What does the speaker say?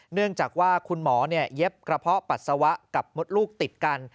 เนื่องจากว่าคุณหมอเย็บกระเพาะปัสสาวะกับมดลูกติดกัน